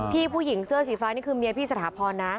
ผู้หญิงเสื้อสีฟ้านี่คือเมียพี่สถาพรนะ